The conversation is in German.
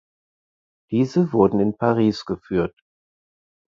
Diese wurden in Paris geführt.